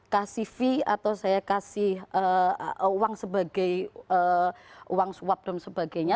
kasih fee atau saya kasih uang sebagai uang suap dan sebagainya